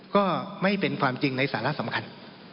ก็ไม่เป็นความจริงในสาระสำคัญ